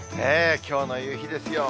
きょうの夕日ですよ。